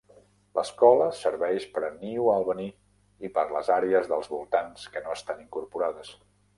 L'escola serveix per a New Albany i per a les àrees dels voltants que no estan incorporades.